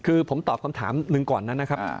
คือผมตอบคำถามหนึ่งก่อนนั้นนะครับ